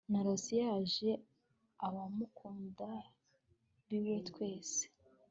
narose yaje abamukunda b'iwe twese